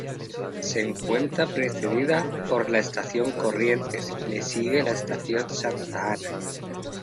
Se encuentra Precedida por la Estación Corrientes y le sigue la Estación Santa Ana.